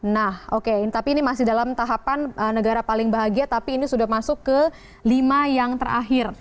nah oke tapi ini masih dalam tahapan negara paling bahagia tapi ini sudah masuk ke lima yang terakhir